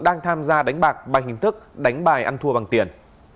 đang tham gia đánh bạc bằng hình thức đánh bài ăn thua bằng tiền